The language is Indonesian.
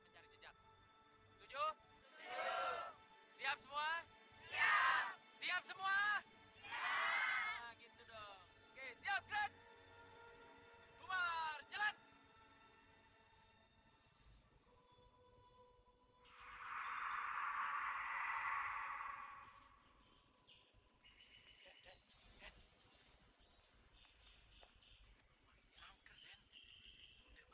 iya saya tau